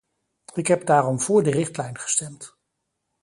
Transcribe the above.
Ik heb daarom voor de richtlijn gestemd.